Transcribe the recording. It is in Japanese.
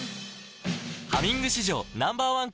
「ハミング」史上Ｎｏ．１抗菌